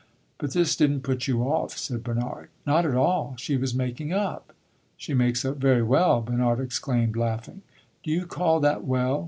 "But this did n't put you off," said Bernard. "Not at all. She was making up." "She makes up very well!" Bernard exclaimed, laughing. "Do you call that well?"